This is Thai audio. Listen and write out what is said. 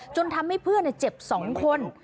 จนทำให้เพื่อนเจ็บ๒คน